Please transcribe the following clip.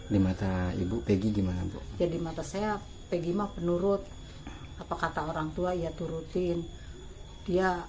di mata ibu peggy gimana bu jadi mata saya pegi mah penurut apa kata orang tua ya turutin dia